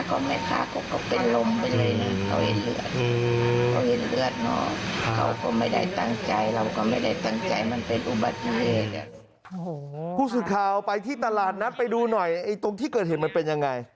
โอ้โหพูดสุดข่าวไปที่ตลาดนั้นไปดูหน่อยตรงที่เกิดเหตุมันเป็นอย่างไร